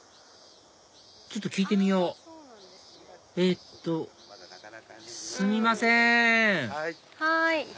ちょっと聞いてみようえっとすみませんはい。